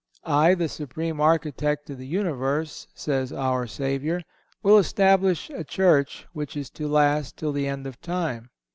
(176) "I, the Supreme Architect of the universe," says our Savior, "will establish a Church which is to last till the end of time.